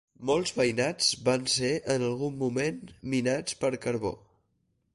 Molts veïnats van ser en algun moment minats per carbó.